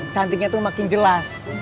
cantiknya tuh makin jelas